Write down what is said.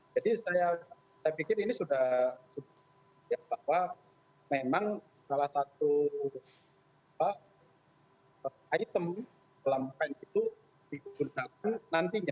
jadi saya pikir ini sudah bahwa memang salah satu item dalam pen itu digunakan nantinya